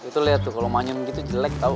itu lihat tuh kalau manyam gitu jelek tau